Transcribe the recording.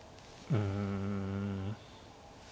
うん。